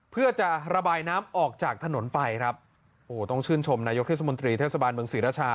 เพื่อจะระบายน้ำออกจากถนนไปครับโอ้โหต้องชื่นชมนายกเทศมนตรีเทศบาลเมืองศรีราชา